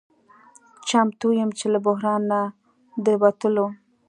چمتو یم چې له بحران نه د وتلو